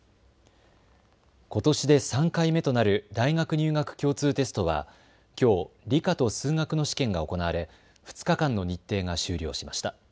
ことしで３回目となる大学入学共通テストはきょう理科と数学の試験が行われ２日間の日程が終了しました。